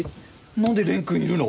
何で蓮くんいるの？